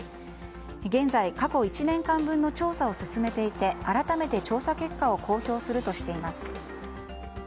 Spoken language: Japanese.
現在、過去１年間分の調査を進めていて改めて調査結果を公表するとしています。